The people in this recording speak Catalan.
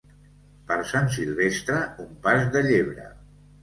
Per Sant Silvestre, un pas de llebre.